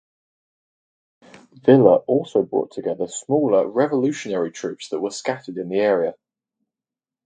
Villa also brought together smaller revolutionary troops that were scattered in the area.